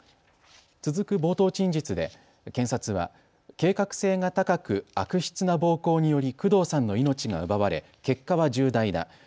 続く冒頭陳述で検察は計画性が高く悪質な暴行により工藤さんの命が奪われ結果は重大だ。